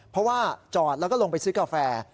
เพราะว่าจอดแล้วก็ลงไปซื้อกาแฟ